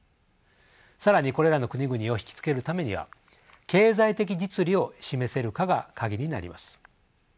更にこれらの国々を引き付けるためには経済的実利を示せるかが鍵になります。